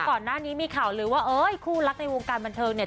ก่อนหน้านี้มีข่าวลือว่าเอ้ยคู่รักในวงการบันเทิงเนี่ย